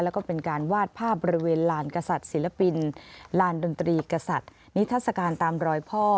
แล้วก็เป็นการวาดภาพบริเวณลานกษัตริย์ศิลปินลานดนตรีกษัตริย์นิทัศกาลตามรอยพ่อ